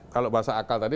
kalau bahasa akal tadi